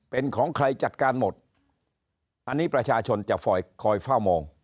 เป็นของใครจัดการหมดอันนี้ประชาชนจะคอยคอยเฝ้ามอง